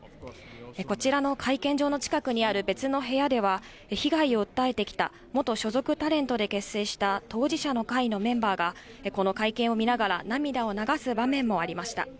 こちらの会見場の近くにある別の部屋では、被害を訴えてきた元所属タレントで結成した当事者の会のメンバーが、この会見を見ながら涙を流す場面もありました。